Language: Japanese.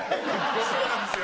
そうなんですよ。